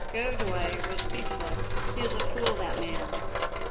Godoy was speechless; he is a fool, that man.